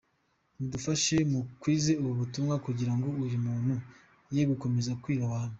Mudufashe mukwize ubu butumwa kugirango uyu umuntu yegukomeza kwiba abantu.